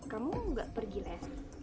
kamu nggak pergi les